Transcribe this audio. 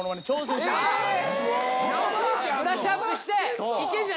ブラッシュアップしていけんじゃないかと。